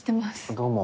どうも。